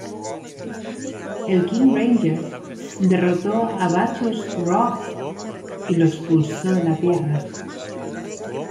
El King Ranger derrotó a Bacchus Wrath y lo expulsó de la Tierra.